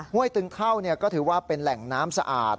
้วยตึงเท่าก็ถือว่าเป็นแหล่งน้ำสะอาด